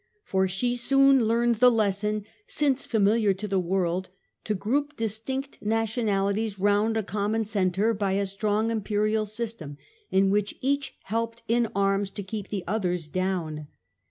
For she soon learned the lesson, since familiar to the world, to group distinct nationalities round a common centre by a strong imperial system in which each helped in arms to keep the others down.